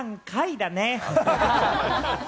だね。